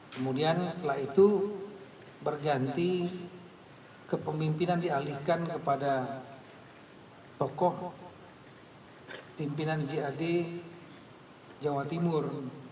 kemudian setelah itu berganti kepemimpinan dialihkan kepada tokoh pimpinan jad jawa timur